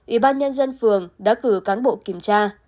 ủy ban nhân dân phường đã cử cán bộ kiểm tra